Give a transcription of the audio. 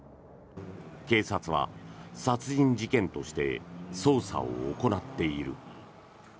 警察は殺人事件として捜査を行っている。